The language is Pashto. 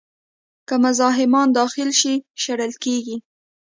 که مزاحمان داخل شي، شړل کېږي.